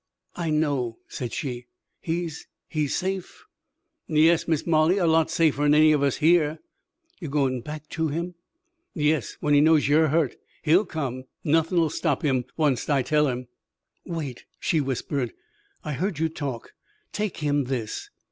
"I know," said she. "He's he's safe?" "Yes, Miss Molly, a lot safer'n any of us here." "You're going back to him?" "Yes. When he knows ye're hurt he'll come. Nothin'll stop him, oncet I tell him." "Wait!" she whispered. "I heard you talk. Take him this."